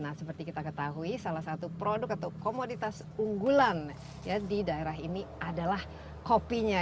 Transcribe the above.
nah seperti kita ketahui salah satu produk atau komoditas unggulan di daerah ini adalah kopinya